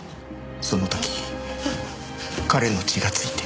その時彼の血がついて。